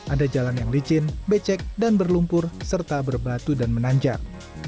ada jalan yang licin becek dan berlumpur serta berbatu dan menanjak